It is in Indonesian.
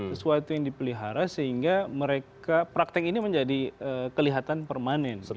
sesuatu yang dipelihara sehingga mereka praktek ini menjadi kelihatan permanen